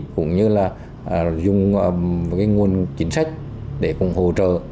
cũng như là dùng nguồn chính sách để cũng hỗ trợ